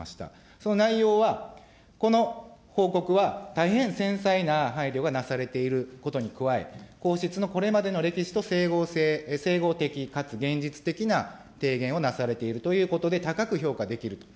その内容は、この報告は大変繊細な配慮がなされていることに加え、皇室のこれまでの歴史と整合的かつ現実的な提言をなされているということで、高く評価できると。